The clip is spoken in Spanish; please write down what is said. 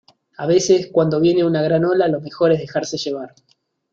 a veces, cuando viene una gran ola , lo mejor es dejarse llevar.